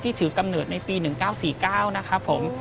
ถือกำเนิดในปี๑๙๔๙นะครับผม